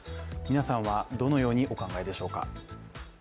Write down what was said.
皆さんはどのようにお考えでしょうか？